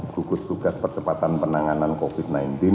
suku suku percepatan penanganan covid sembilan belas